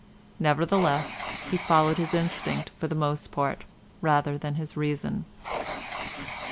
Nevertheless he followed his instinct for the most part, rather than his reason.